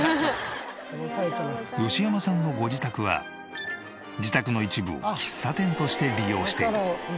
吉山さんのご自宅は自宅の一部を喫茶店として利用している。